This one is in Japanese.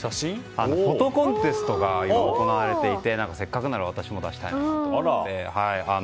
フォトコンテストが行われていてせっかくなら私も出したいなと思って。